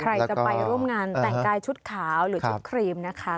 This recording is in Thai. ใครจะไปร่วมงานแต่งกายชุดขาวหรือชุดครีมนะคะ